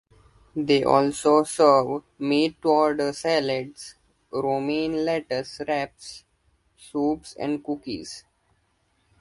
They also serve made-to-order salads, romaine lettuce wraps, soups, and cookies.